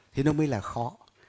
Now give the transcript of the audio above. thì nó mới là khó